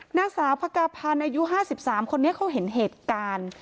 หน้าสาวพระกาภาณอายุห้าสิบสามคนนี้เค้าเห็นเหตุการณ์